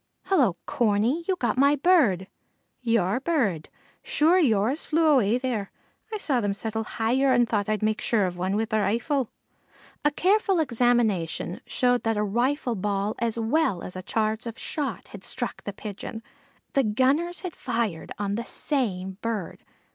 "Hello, Corney! you got my bird!" "Your burrud! Sure yours flew away thayre. I saw them settle hayer and thought I'd make sure of wan with the rifle." A careful examination showed that a rifle ball as well as a charge of shot had struck the Pigeon. The gunners had fired on the same bird.